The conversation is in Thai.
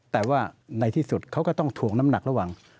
แต่ว่าในที่สุดเขาก็ต้องถ่วงน้ำหนักระหว่าง